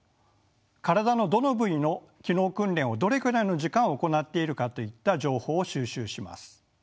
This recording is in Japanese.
体のどの部位の機能訓練をどれくらいの時間行っているかといった情報を収集します。